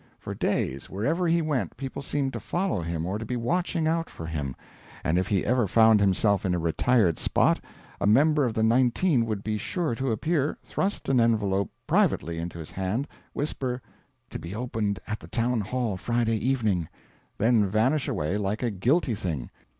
For days, wherever he went, people seemed to follow him or to be watching out for him; and if he ever found himself in a retired spot, a member of the nineteen would be sure to appear, thrust an envelope privately into his hand, whisper "To be opened at the town hall Friday evening," then vanish away like a guilty thing.